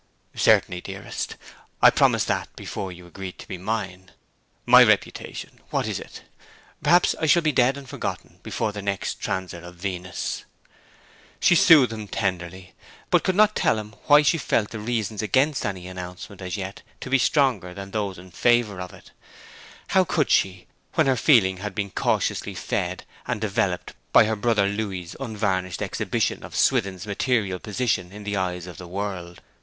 'Certainly, dearest. I promised that before you agreed to be mine. My reputation what is it! Perhaps I shall be dead and forgotten before the next transit of Venus!' She soothed him tenderly, but could not tell him why she felt the reasons against any announcement as yet to be stronger than those in favour of it. How could she, when her feeling had been cautiously fed and developed by her brother Louis's unvarnished exhibition of Swithin's material position in the eyes of the world?